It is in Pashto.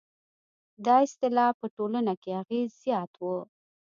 دا اصطلاح په ټولنه کې اغېز زیات و.